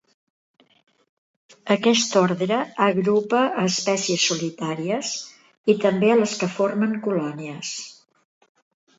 Aquest ordre agrupa a espècies solitàries i també a les que formen colònies.